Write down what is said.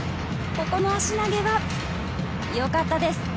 ここも足投げはよかったです。